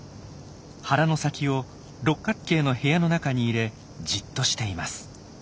腹の先を六角形の部屋の中に入れじっとしています。